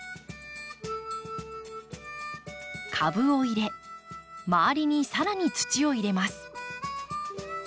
株を入れ周りに更に土を入れます。